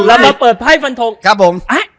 เรามาเปิดไพร่ฟันโทง